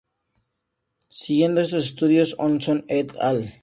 Siguiendo estos estudios, Ohlson "et al".